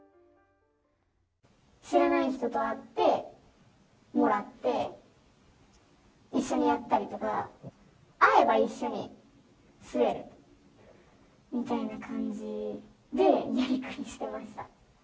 知らない人と会って、もらって、一緒にやったりとか、会えば一緒に吸えるみたいな感じでやりくりしてました。